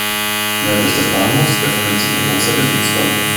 Nördlich des Bahnhofs befindet sich ein großer Betriebsbahnhof.